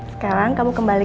sekarang kamu kembali